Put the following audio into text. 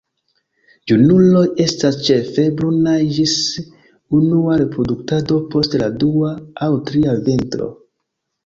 Junuloj estas ĉefe brunaj ĝis unua reproduktado post la dua aŭ tria vintro.